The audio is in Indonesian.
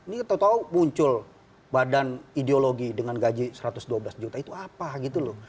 ini tau tau muncul badan ideologi dengan gaji satu ratus dua belas juta itu apa gitu loh